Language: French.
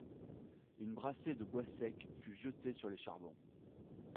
Une brassée de bois sec fut jetée sur les charbons